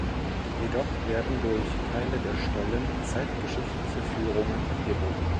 Jedoch werden durch Teile der Stollen zeitgeschichtliche Führungen angeboten.